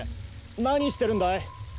何してるんだい？